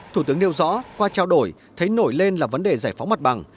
thủ tướng nêu rõ qua trao đổi thấy nổi lên là vấn đề giải phóng mặt bằng